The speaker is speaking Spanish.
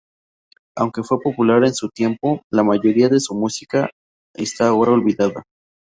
Aunque fue popular en su tiempo, la mayoría de su música está ahora olvidada.